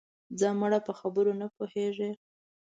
ځه مړه په خبره نه پوهېږې